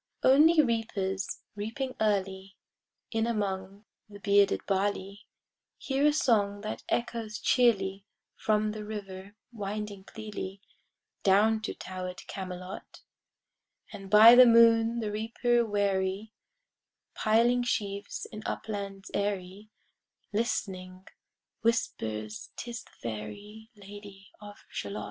Only reapers, reaping early In among the bearded barley, Hear a song that echoes cheerly From the river winding clearly, Down to tower'd Camelot: And by the moon the reaper weary Piling sheaves in uplands airy, Listening, whispers "'Tis the fairy Lady of Shalott."